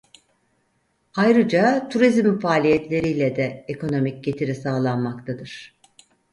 Ayrıca turizm faaliyetleriyle de ekonomik getiri sağlanmaktadır.